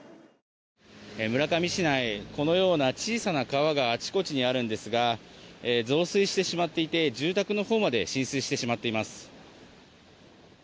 村上市内このような小さな川があちこちにあるんですが増水してしまっていて住宅のほうまで浸水してしまっています。